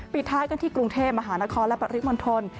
ปิดท้ายกันที่กรุงเทพมหานครและปริมณฑล